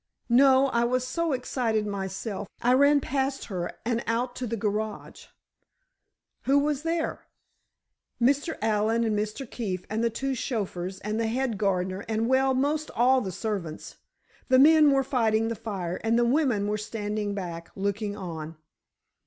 "No; I was so excited myself, I ran past her and out to the garage." "Who was there?" "Mr. Allen and Mr. Keefe and the two chauffeurs and the head gardener and well, most all the servants. The men were fighting the fire, and the women were standing back, looking on."